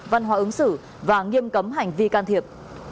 văn hóa ứng xử và nghiêm cấm hành vi can thiệp